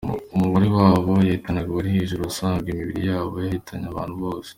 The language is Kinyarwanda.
Umubare wabo yahitanaga wari hejuru¸ wasangaga imibiri yabo yahitanye ahantu hose.